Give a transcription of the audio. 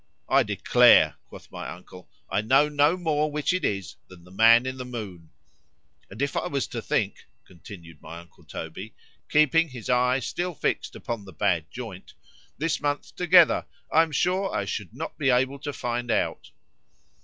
——I declare, quoth my uncle, I know no more which it is than the man in the moon;——and if I was to think, continued my uncle Toby (keeping his eyes still fixed upon the bad joint) this month together, I am sure I should not be able to find it out.